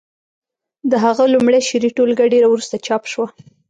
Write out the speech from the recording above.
د هغه لومړۍ شعري ټولګه ډېره وروسته چاپ شوه